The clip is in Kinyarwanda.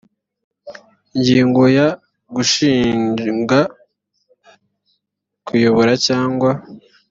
ingingo ya gushinga kuyobora cyangwa